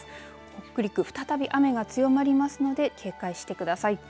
北陸、再び雨が強まりますので警戒してください。